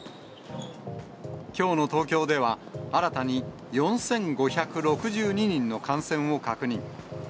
きょうの東京では、新たに４５６２人の感染を確認。